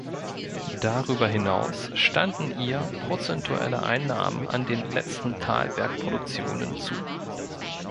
Darüber hinaus standen ihr prozentuale Einnahmen an den letzten Thalberg-Produktionen zu.